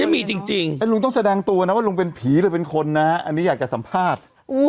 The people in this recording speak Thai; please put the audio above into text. จริงลุงต้องแสดงตัวนะว่าลุงเป็นผีหรือเป็นคนนะอันนี้อยากจะสัมภาษณ์